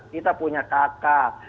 kita punya kakak